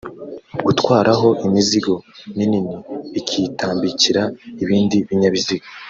gutwaraho imizigo minini ikitambikira ibindi binyabiziga